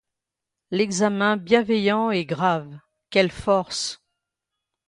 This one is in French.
L'examen bienveillant et grave, quelle force!